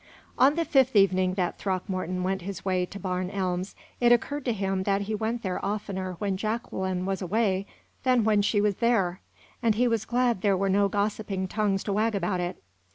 On the fifth evening that Throckmorton went his way to Barn Elms, it occurred to him that he went there oftener when Jacqueline was away than when she was there, and he was glad there were no gossiping tongues to wag about it.